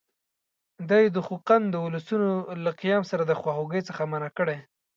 دا یې د خوقند د اولسونو له قیام سره د خواخوږۍ څخه منع کړي.